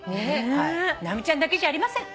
直美ちゃんだけじゃありません。